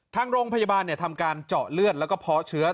ทางโรงพยาบาลทำการเจาะเลือดแล้วก็เพาะเชื้อ